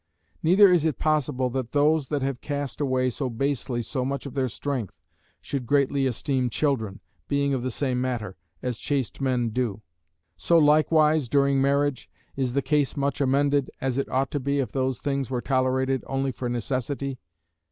Neither is it possible that those that have cast away so basely so much of their strength, should greatly esteem children, (being of the same matter,) as chaste men do. So likewise during marriage, is the case much amended, as it ought to be if those things were tolerated only for necessity?